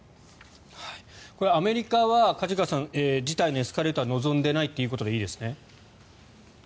これはアメリカは梶川さん、事態のエスカレートは望んでいないということでいいですね？